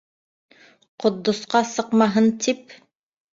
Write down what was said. Ҡотдосҡа сыҡмаһын тип.